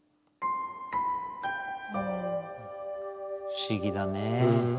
不思議だね。